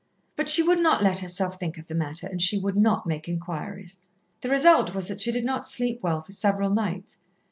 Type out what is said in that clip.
But she would not let herself think of the matter, and she would not make inquiries. The result was that she did not sleep well for several nights.